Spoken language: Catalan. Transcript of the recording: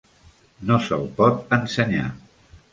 No se't pot ensenyar.